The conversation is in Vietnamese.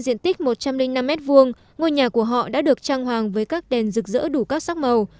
diện tích một trăm linh năm m hai ngôi nhà của họ đã được trang hoàng với các đèn rực rỡ đủ các sắc màu